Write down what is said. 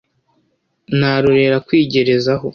narorera kwigerezaho,